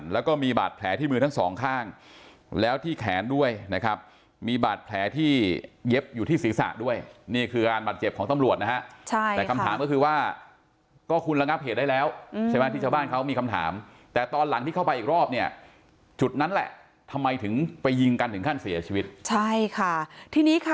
แล้วก็มีบาดแผลที่มือทั้งสองข้างแล้วที่แขนด้วยนะครับมีบาดแผลที่เย็บอยู่ที่ศีรษะด้วยนี่คือการบาดเจ็บของตำรวจนะฮะใช่แต่คำถามก็คือว่าก็คุณระงับเหตุได้แล้วใช่ไหมที่ชาวบ้านเขามีคำถามแต่ตอนหลังที่เข้าไปอีกรอบเนี่ยจุดนั้นแหละทำไมถึงไปยิงกันถึงขั้นเสียชีวิตใช่ค่ะทีนี้ค่ะ